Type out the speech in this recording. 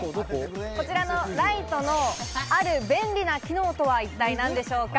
こちらのライトの、ある便利な機能とは一体何でしょうか？